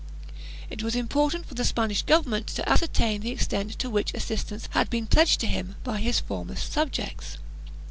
It was important for the Spanish government to ascertain the extent to which assistance had been pledged to him by his former subjects.